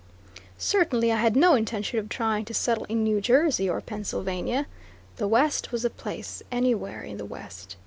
Certainly I had no intention of trying to settle in New Jersey or Pennsylvania. The west was the place; anywhere in the west.